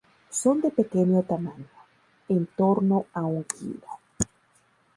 Son de pequeño tamaño, en torno a un kilo.